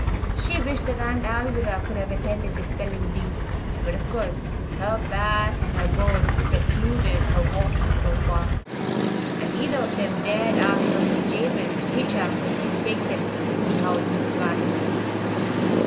She wished that Aunt Alvirah could have attended the spelling bee; but of course her back and her bones precluded her walking so far, and neither of them dared ask Uncle Jabez to hitch up and take them to the schoolhouse in his wagon.